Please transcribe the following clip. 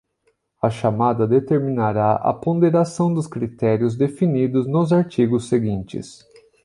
A chamada determinará a ponderação dos critérios definidos nos artigos seguintes.